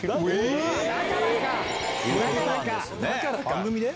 番組で？